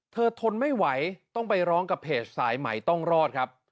ทนไม่ไหวต้องไปร้องกับเพจสายใหม่ต้องรอดครับ